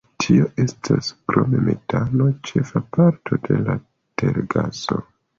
Tio estas krom metano ĉefa parto de la tergaso.